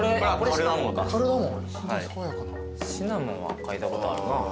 シナモンは嗅いだことあるな。